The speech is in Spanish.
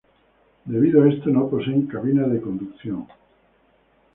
Debido a esto no poseen cabina de conducción.